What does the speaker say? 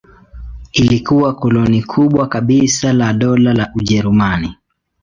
Ilikuwa koloni kubwa kabisa la Dola la Ujerumani.